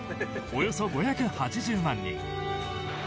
およそ５８０万人。